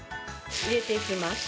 入れていきます。